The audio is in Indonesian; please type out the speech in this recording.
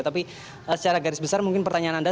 tapi secara garis besar mungkin pertanyaan anda